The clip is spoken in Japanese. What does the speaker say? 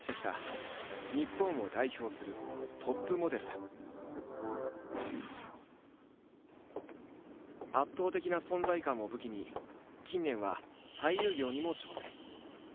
１０代のころから圧倒的な存在感を武器に近年は俳優業にも挑戦。